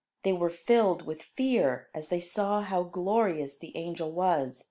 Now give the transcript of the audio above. They were filled with fear, as they saw how glorious the angel was.